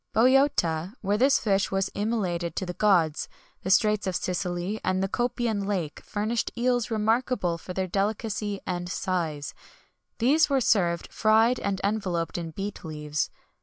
Bœotia where this fish was immolated to the gods[XXI 124] the straits of Sicily,[XXI 125] and the Copian lake, furnished eels remarkable for their delicacy and size;[XXI 126] these were served fried and enveloped in beet leaves.